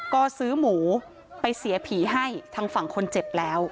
ก็ซื้อหมูไปเสียผีให้ทางฝั่งคนเจ็บแล้ว